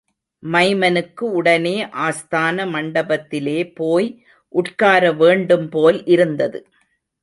மைமனுக்கு உடனே ஆஸ்தான மண்டபத்திலேபோய் உட்கார வேண்டும்போல் இருந்தது.